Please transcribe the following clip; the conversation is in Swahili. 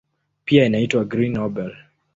Pia inaitwa "Green Nobel".